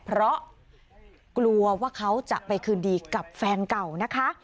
เพราะกลัวว่าเขาจะไปคืนดีกับแฟนเก่านะคะ